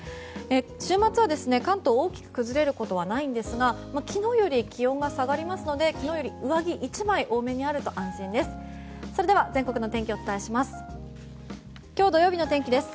週末は関東は大きく崩れることはないんですが昨日より気温が下がりますので上着１枚多めにあると安心です。